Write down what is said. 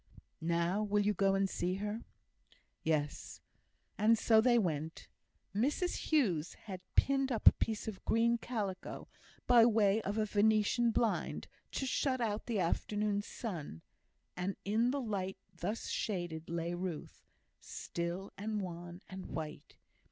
"Now, will you go and see her?" "Yes." And so they went. Mrs Hughes had pinned up a piece of green calico, by way of a Venetian blind, to shut out the afternoon sun; and in the light thus shaded lay Ruth, still, and wan, and white.